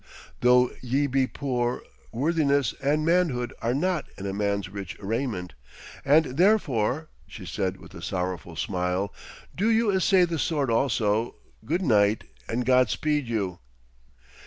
'Though ye be poor, worthiness and manhood are not in a man's rich raiment, and therefore,' she said with a sorrowful smile, 'do you essay the sword also, good knight, and God speed you.'